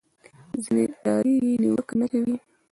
ځینې ډارېږي نیوکه نه کوي